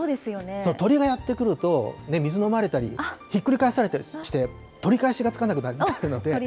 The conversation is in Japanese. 鳥がやって来ると、水飲まれたり、ひっくり返されたりして、取り返しがつかなくなるので。